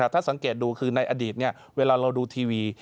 ถ้าสังเกตดูคือในอดีตเวลาเราดูทีวี